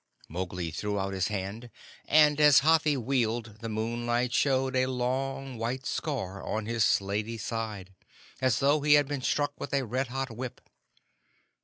Mowgli threw out his hand, and as Hathi wheeled the moonlight showed a long white scar on his slaty side, as though he had been struck with a red hot whip.